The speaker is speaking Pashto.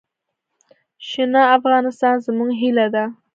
شنه افغانستان زموږ هیله ده.